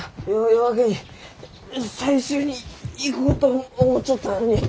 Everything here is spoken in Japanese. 夜明けに採集に行こうと思うちょったのに。